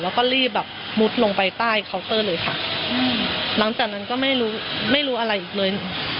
แล้วก็รีบแบบมุดลงไปใต้เคาน์เตอร์เลยค่ะหลังจากนั้นก็ไม่รู้ไม่รู้อะไรอีกเลย